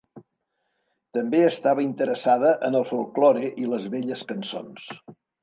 També estava interessada en el folklore i les velles cançons.